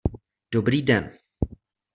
Dobrý den.